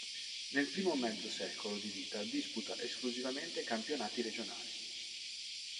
Nel primo mezzo secolo di vita disputa esclusivamente campionati regionali.